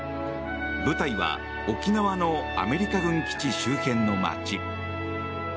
舞台は沖縄のアメリカ軍基地周辺の街。